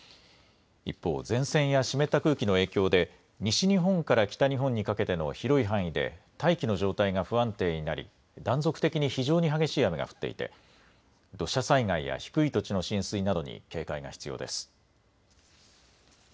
一方、前線や湿った空気の影響で西日本から北日本にかけての広い範囲で大気の状態が不安定になり断続的に非常に激しい雨が降っていて土砂災害や低い土地の浸水などに警戒が必要です。